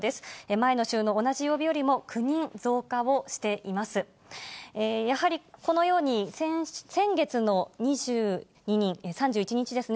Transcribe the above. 前の週の同じ曜日よりも９人増加をしています。